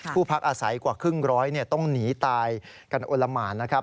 ผู้พักอาศัยกว่าครึ่งร้อยเนี่ยต้องหนีตายกันอ้วนละหมานะครับ